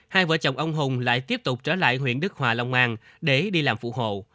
hai vợ chồng ông hùng lại tiếp tục trở lại huyện đức hòa long an để đi làm phụ hộ